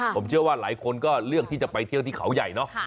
ผมเชื่อว่าหลายคนก็เลือกที่จะไปเที่ยวที่เขาใหญ่เนอะ